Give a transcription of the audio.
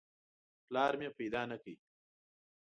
پلار مې پیدا نه کړ.